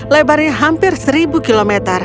lebarnya hampir seribu km